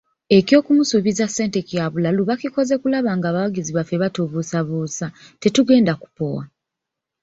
Eky'okumusuubiza ssente kya bulalu bakikoze kulaba ng'abawagizi baffe batubuusabuusa, tetugenda kupowa.